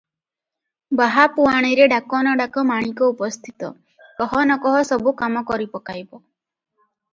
ବାହା ପୁଆଣିରେ ଡାକ ନ ଡାକ ମାଣିକ ଉପସ୍ଥିତ, କହ ନ କହ ସବୁ କାମ କରିପକାଇବ ।